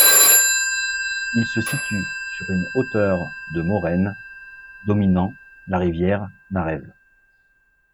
Il se situe sur une hauteur de moraines dominant la rivière Narew.